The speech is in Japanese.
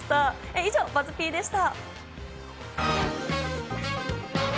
以上、ＢＵＺＺ−Ｐでした。